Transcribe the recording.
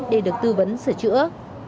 để được tư vấn sửa chữa